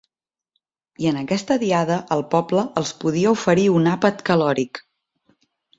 I en aquesta diada el poble els podia oferir un àpat calòric.